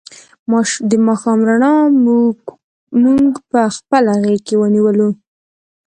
د ماښام رڼا مونږ په خپله غېږ کې ونیولو.